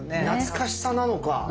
懐かしさなのか。